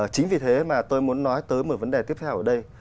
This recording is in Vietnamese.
chính vì thế mà tôi muốn nói tới một vấn đề tiếp theo ở đây